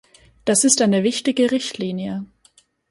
Das ist eine wichtige Richtlinie.